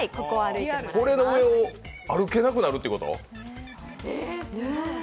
これの上を歩けなくなるってこと？